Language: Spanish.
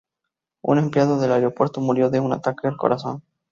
Un empleado del aeropuerto murió de un ataque al corazón.